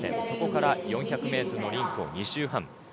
そこから４００ｍのリンクを２周半。